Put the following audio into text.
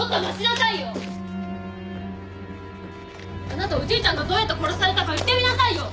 あなたおじいちゃんがどうやって殺されたか言ってみなさいよ！